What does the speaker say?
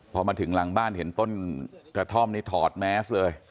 พอมาถึงหลังบ้านเห็นต้นกระท่อมนี่ถอดแมสเลย